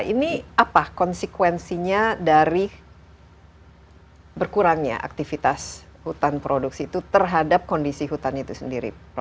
ini apa konsekuensinya dari berkurangnya aktivitas hutan produksi itu terhadap kondisi hutan itu sendiri prof